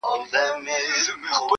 ښايي پر غوږونو به ښه ولګیږي-